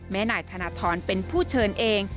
นายธนทรเป็นผู้เชิญเอง